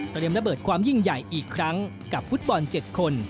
ระเบิดความยิ่งใหญ่อีกครั้งกับฟุตบอล๗คน